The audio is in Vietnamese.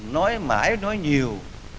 nói mãi nói nhiều